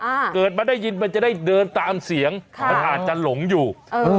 อ่าเกิดมาได้ยินมันจะได้เดินตามเสียงค่ะมันอาจจะหลงอยู่เออ